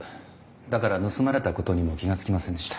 だから盗まれたことにも気が付きませんでした。